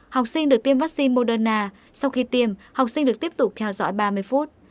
học sinh được tiêm vaccine moderna sau khi tiêm học sinh được tiếp tục theo dõi ba mươi phút